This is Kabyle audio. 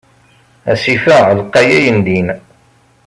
Asif-a lqay ayendin.